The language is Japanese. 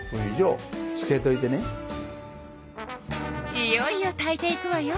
いよいよ炊いていくわよ。